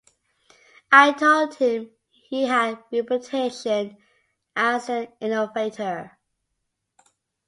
I told him he had a reputation as an innovator.